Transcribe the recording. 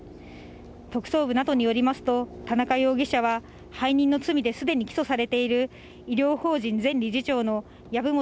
特捜部などによりますと、田中容疑者は、背任の罪ですでに起訴されている医療法人前理事長の籔本